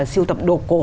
sưu tập đồ cổ